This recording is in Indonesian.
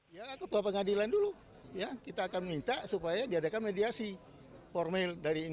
ya ketua pengadilan dulu ya kita akan minta supaya diadakan mediasi formil